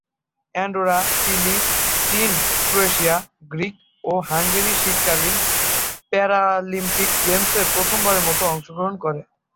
Andorra, Chile, চীন, Croatia, Greek ও Hungary শীতকালীন প্যারালিম্পিক গেমসে প্রথমবারের মত অংশগ্রহণ করে।